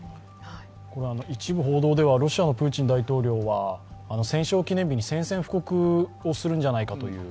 一部、報道ではロシアのプーチン大統領は戦勝記念日に宣戦布告をするんじゃないかという。